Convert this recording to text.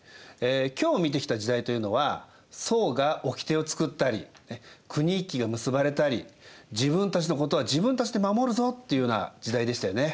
今日見てきた時代というのは惣がおきてを作ったり国一揆が結ばれたり自分たちのことは自分たちで守るぞっていうような時代でしたよね。